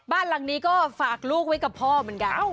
บ้านหลังนี้ก็ฝากลูกไว้กับพ่อเหมือนกัน